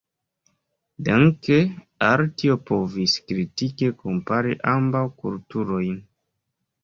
Danke al tio povis kritike kompari ambaŭ kulturojn.